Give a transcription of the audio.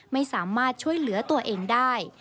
ไม่สามารถช่วยเหลือตัวเองได้